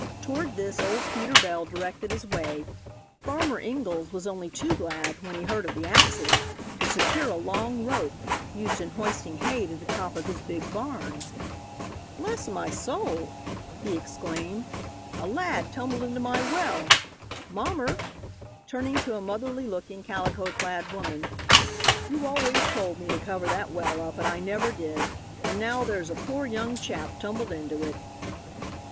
Toward this old Peter Bell directed his way. Farmer Ingalls was only too glad, when he heard of the accident, to secure a long rope, used in hoisting hay to the top of his big barns. "Bless my soul!" he exclaimed, "a lad tumbled into my well! Mommer," turning to a motherly looking, calico clad woman, "you always told me to cover that well up, and I never did, and now thar's a poor young chap tumbled into it."